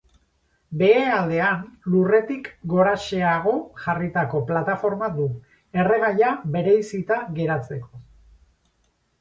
Behealdean, lurretik goraxeago jarritako plataforma du, erregaia bereizita geratzeko.